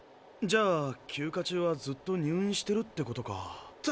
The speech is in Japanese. じゃあ休暇中はずっと入院してるってことか。